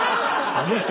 あの人？